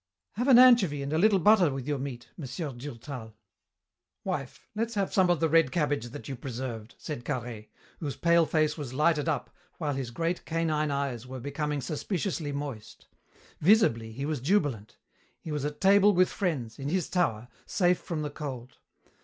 "Have an anchovy and a little butter with your meat, Monsieur Durtal." "Wife, let's have some of the red cabbage that you preserved," said Carhaix, whose pale face was lighted up while his great canine eyes were becoming suspiciously moist. Visibly he was jubilant. He was at table with friends, in his tower, safe from the cold.